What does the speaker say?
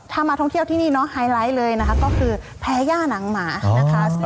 ถ้ามาท่องเที่ยวที่นี่เนาะไฮไลท์เลยนะคะก็คือแพ้ย่าหนังหมานะคะ